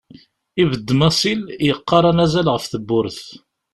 Ibedd Masil yeqqar anazal ɣef tewwurt.